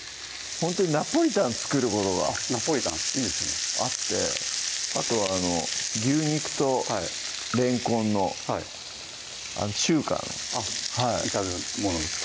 ほんとにナポリタン作ることがナポリタンいいですねあってあとは牛肉とれんこんの中華の炒め物ですか？